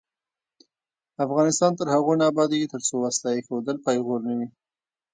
افغانستان تر هغو نه ابادیږي، ترڅو وسله ایښودل پیغور نه وي.